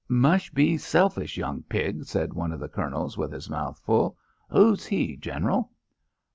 "Mush be selfish young pig," said one of the Colonels, with his mouth full. "Who's he, General?"